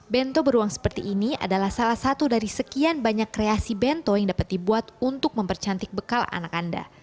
bento beruang seperti ini adalah salah satu dari sekian banyak kreasi bento yang dapat dibuat untuk mempercantik bekal anak anda